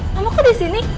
mama kok disini